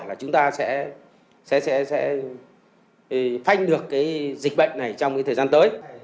là chúng ta sẽ phanh được dịch bệnh này trong thời gian tới